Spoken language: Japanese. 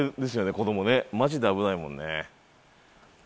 子供ねマジで危ないもんね。